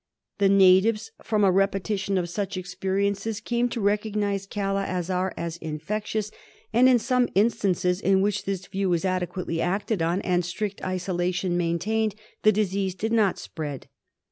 The natives from a repetition of such experiences came to regard Kala Azar as infectious, and in some instances in which this view was adequately acted on, and strict isolation maintained, the disease did not spread.